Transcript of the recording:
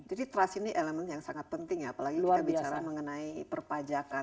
jadi trust ini elemen yang sangat penting ya apalagi kita bicara mengenai perpajakan